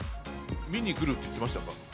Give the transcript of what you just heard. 見に来るって言ってましたか？